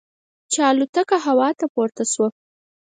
چې الوتکه هوا ته پورته شوه.